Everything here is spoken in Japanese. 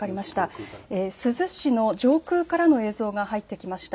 珠洲市の上空からの映像が入ってきました。